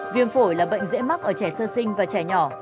viêm phổi là bệnh dễ mắc ở trẻ sơ sinh và trẻ nhỏ